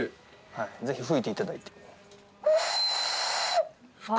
ぜひ吹いていただいて。